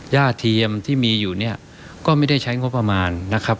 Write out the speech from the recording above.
เทียมที่มีอยู่เนี่ยก็ไม่ได้ใช้งบประมาณนะครับ